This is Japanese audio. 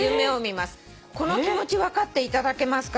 「この気持ち分かっていただけますか？」